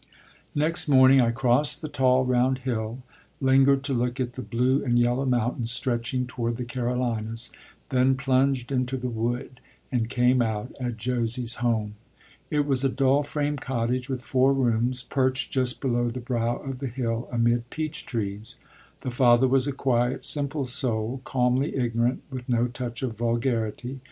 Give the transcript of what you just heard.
Next morning I crossed the tall round hill, lingered to look at the blue and yellow mountains stretching toward the Carolinas, then plunged into the wood, and came out at Josie's home. It was a dull frame cottage with four rooms, perched just below the brow of the hill, amid peach trees. The father was a quiet, simple soul, calmly ignorant, with no touch of vulgarity.